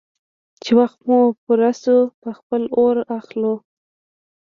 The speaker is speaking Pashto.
_چې وخت مو پوره شو، په خپله اور اخلو.